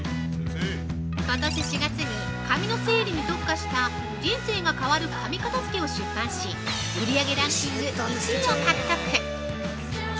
今年４月に紙の整理に特化した「人生が変わる紙片づけ」を出版し、売り上げランキング１位を獲得。